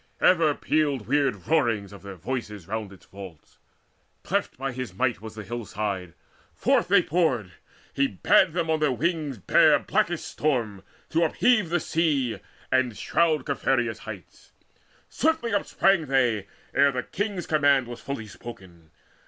Ever pealed Weird roarings of their voices round its vaults. Cleft by his might was the hill side; forth they poured. He bade them on their wings bear blackest storm To upheave the sea, and shroud Caphereus' heights. Swiftly upsprang they, ere their king's command Was fully spoken.